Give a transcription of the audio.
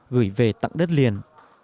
gửi về tặng đất liền